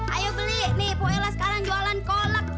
ayo beli nih puyola sekarang jualan kolak